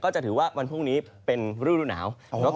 จะถือว่าวันพรุ่งนี้เป็นฤดูหนาว